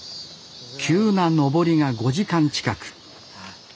急な登りが５時間近く。